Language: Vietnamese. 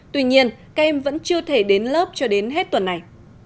tuy nhiên các em vẫn chưa thể đến lớp cho đến hết tuần này